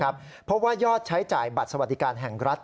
เพราะว่ายอดใช้จ่ายบัตรสวัสดิการแห่งรัฐ